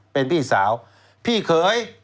เป็นพี่สาวพี่เขย